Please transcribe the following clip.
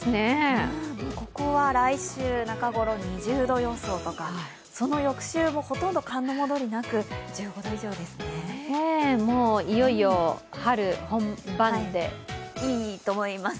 ここは来週中ごろ２０度予想とか、その翌週もほとんど寒の戻りもなくいよいよ、春本番でいいと思います。